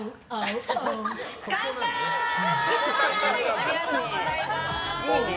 ありがとうございます！